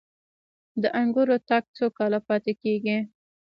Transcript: د انګورو تاک څو کاله پاتې کیږي؟